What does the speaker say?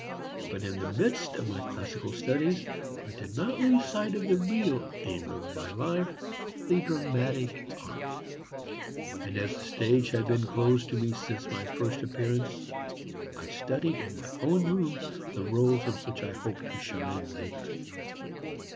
But in the midst of my classical studies I did not lose sight of the real aim of my life, the dramatic art; and as the stage had been closed to me since my first appearance, I studied in my own room the roles in which I hoped to shine later.